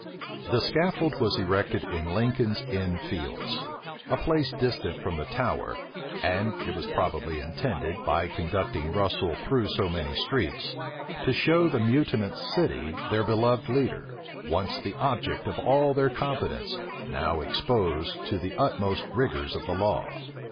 The scaffold was erected in Lincoln's Inn Fields, a place distant from the Tower; and it was probably intended, by conducting Russel through so many streets, to show the mutinous city their beloved leader, once the object of all their confidence, now exposed to the utmost rigors of the law.